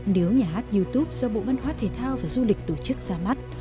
nếu nhà hát youtube do bộ văn hóa thể thao và du lịch tổ chức ra mắt